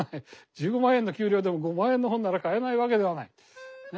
１５万円の給料でも５万円の本なら買えないわけではない。